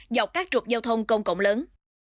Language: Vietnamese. dọc các trục giao thông công cộng lớn